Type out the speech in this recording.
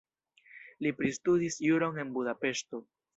Li pristudis juron en Budapeŝto.